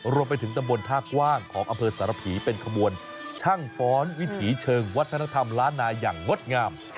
ตำบลท่ากว้างของอำเภอสารผีเป็นขบวนช่างฟ้อนวิถีเชิงวัฒนธรรมล้านนาอย่างงดงาม